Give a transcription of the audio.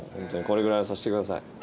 これぐらいはさせてください。